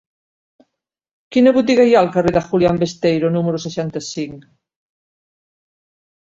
Quina botiga hi ha al carrer de Julián Besteiro número seixanta-cinc?